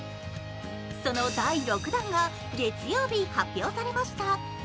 その第６弾が月曜日、発表されました。